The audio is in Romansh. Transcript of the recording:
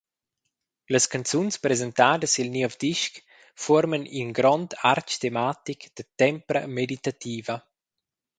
Las canzuns presentadas sil niev disc fuorman in grond artg tematic da tempra meditativa.